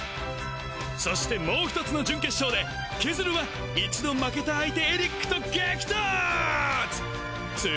そしてもう１つの準決勝でケズルは１度負けた相手・エリックと激突ぅううううう！